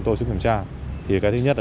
tổ chức kiểm tra thì cái thứ nhất